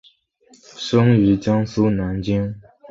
生于江苏南京。